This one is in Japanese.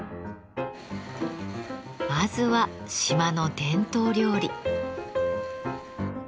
まずは島の伝統料理。